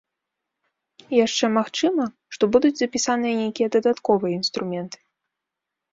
А яшчэ магчыма, што будуць запісаныя нейкія дадатковыя інструменты.